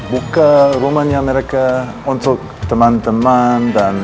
buka rumahnya mereka untuk teman teman